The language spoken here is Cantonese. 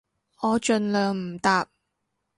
我盡量唔搭